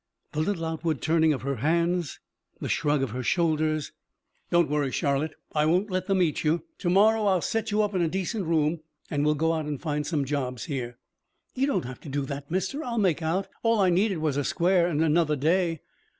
The little outward turning of her hands, the shrug of her shoulders. "Don't worry, Charlotte. I won't let them eat you. To morrow I'll set you up to a decent room and we'll go out and find some jobs here." "You don't have to do that, mister. I'll make out. All I needed was a square and another day."